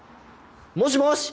もしもし！